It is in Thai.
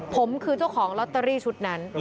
ผมคือเจ้าของลอตเตอรี่ชุดนั้น